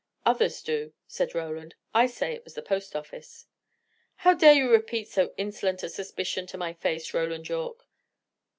"Others do," said Roland. "I say it was the post office." "How dare you repeat so insolent a suspicion to my face, Roland Yorke?"